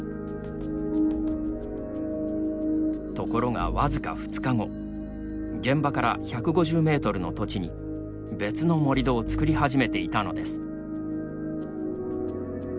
ところが、僅か２日後現場から１５０メートルの土地に別の盛り土をつくり始めていたのです。